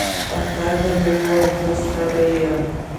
اکا ته مې وويل زه ستړى يم.